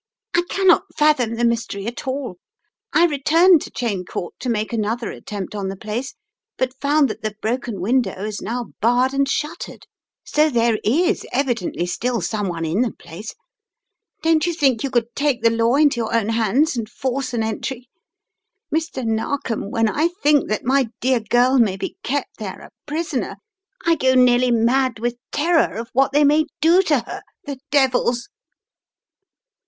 "I cannot fathom the mystery at all. I returned to Cheyne Court to mak* another attempt on the 104 The Riddle of the Purple Emperor place, but found that the broken window is now barred and shuttered, so there is evidently still some one in the place. Don't you think you could take the law into your own hands and force an entry? Mr. Narkom, when I think that my dear girl may be kept there a prisoner, I go nearly mad with terror of what they may do to her — the devils!"